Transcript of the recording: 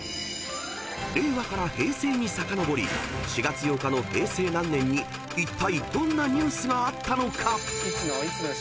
［令和から平成にさかのぼり４月８日の平成何年にいったいどんなニュースがあったのか？］